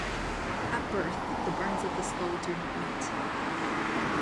At birth, the bones of the skull do not meet.